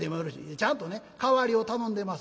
ちゃんとね代わりを頼んでます」。